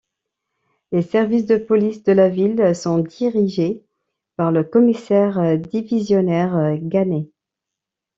Les services de police de la ville sont dirigés par le commissaire divisionnaire Ganay.